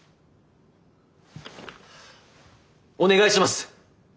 お願いします！